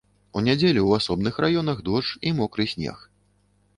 У нядзелю ў асобных раёнах дождж і мокры снег.